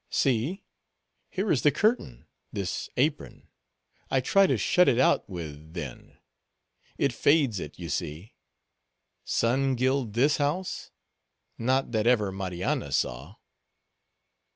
See, here is the curtain—this apron—I try to shut it out with then. It fades it, you see. Sun gild this house? not that ever Marianna saw."